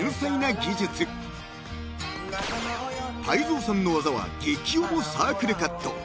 ［泰三さんの技はゲキ重サークルカット］